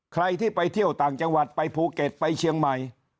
ใครที่ไปเที่ยวต่างจังหวัดไปภูเก็ตไปเชียงใหม่